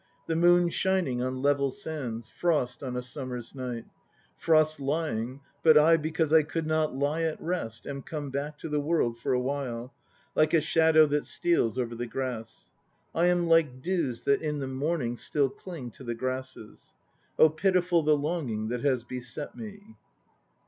The moon shining on level sands: frost on a summer's night." * Frost lying ... but I, because I could not lie at rest, Am come back to the World for a while, Like a shadow that steals over the grass. I am like dews that in the morning Still cling to the grasses. Oh pitiful the longing That has beset me!